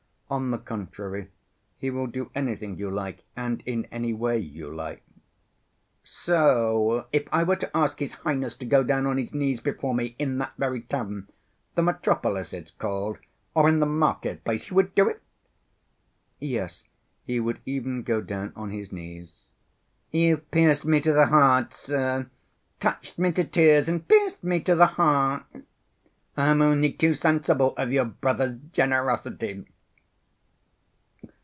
On the contrary, he will do anything you like and in any way you like." "So if I were to ask his highness to go down on his knees before me in that very tavern—'The Metropolis' it's called—or in the market‐place, he would do it?" "Yes, he would even go down on his knees." "You've pierced me to the heart, sir. Touched me to tears and pierced me to the heart! I am only too sensible of your brother's generosity.